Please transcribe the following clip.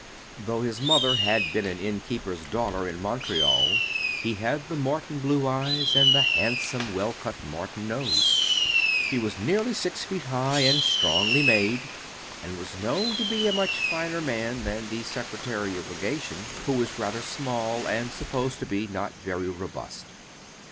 Though his mother had been an innkeeper's daughter in Montreal he had the Morton blue eyes and the handsome well cut Morton nose. He was nearly six feet high, and strongly made, and was known to be a much finer man than the Secretary of Legation, who was rather small, and supposed to be not very robust.